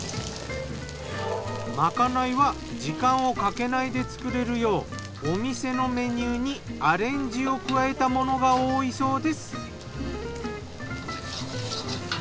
まかないは時間をかけないで作れるようお店のメニューにアレンジを加えたものが多いそうです。